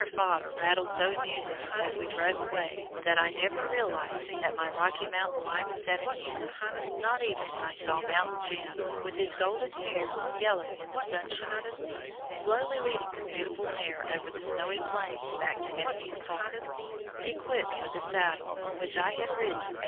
Fodder rattled so amusingly as we drove away that I never realized that my Rocky Mountain life was at an end, not even when I saw "Mountain Jim," with his golden hair yellow in the sunshine, slowly leading the beautiful mare over the snowy Plains back to Estes Park, equipped with the saddle on which I had ridden 800 miles!